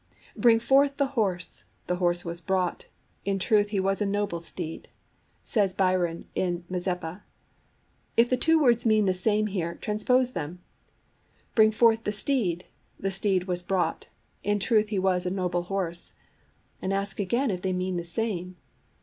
'Bring forth the horse!' The horse was brought: In truth he was a noble steed! says Byron in Mazeppa. If the two words mean the same here, transpose them: 'Bring forth the steed!' The steed was brought: In truth he was a noble horse! and ask again if they mean the same.